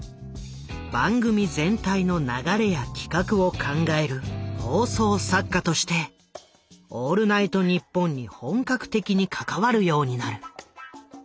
番組全体の流れや企画を考える放送作家として「オールナイトニッポン」に本格的に関わるようになる。